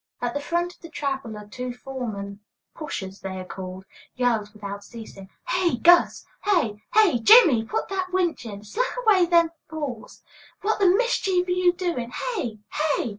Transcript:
At the front of the traveler two foremen, "pushers" they are called, yell without ceasing: "Hey, Gus! Hey! Hey, Jimmie! Put that winch in! Slack away them falls! What the mischief are you doing? Hey! Hey!"